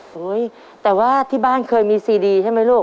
เฮ้ยแต่ว่าที่บ้านเคยมีซีดีใช่ไหมลูก